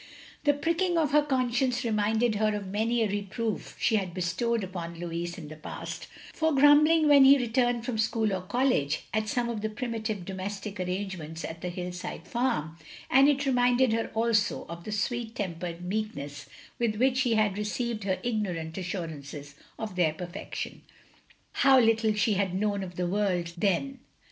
The pricking of her conscience reminded her of many a reproof she had bestowed upon Louis in the past, for grumbling when he rettuned from school or college, at some of the primitive domes tic arrangements at the hillside farm; and it reminded her also of the sweet tempered meek ness with which he had received her ignorant assurances of their perfection. How little she had known of the world then!